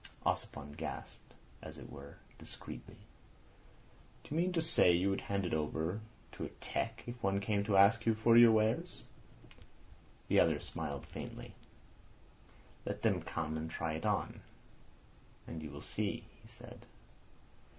Ossipon gasped, as it were, discreetly. "Do you mean to say you would hand it over to a 'teck' if one came to ask you for your wares?" The other smiled faintly. "Let them come and try it on, and you will see," he said.